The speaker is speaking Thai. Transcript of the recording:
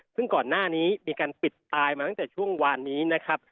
ซึ่งก่อนหน้านี้มีการปิดตายมาตั้งแต่ช่วงวานนี้นะครับ